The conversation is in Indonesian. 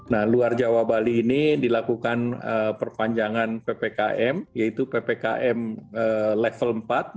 nah luar jawa bali ini dilakukan perpanjangan ppkm yaitu ppkm level empat